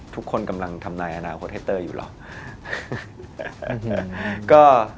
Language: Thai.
ทุกคนกำลังทำนายอนาคตให้เตอร์อยู่หรอ